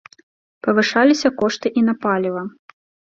Павышаліся кошты і на паліва.